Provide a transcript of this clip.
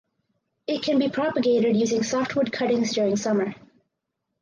It can be propagated using softwood cuttings during summer.